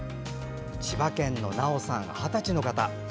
千葉県のなおさん、二十歳の方。